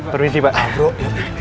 terima kasih pak